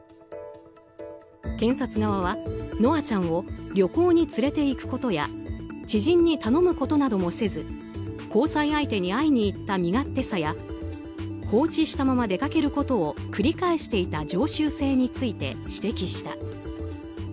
検察側は、稀華ちゃんを旅行に連れていくことや知人に頼むことなどもせず交際相手に会いに行った身勝手さや放置したまま出かけることを繰り返していた常習性について指摘した。